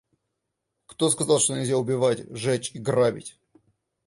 Кто сказал, что нельзя убивать, жечь и грабить?